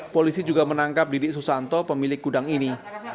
polisi juga menangkap didik susanto pemilik gudang ini